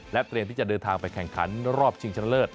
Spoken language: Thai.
เตรียมที่จะเดินทางไปแข่งขันรอบชิงชนะเลิศ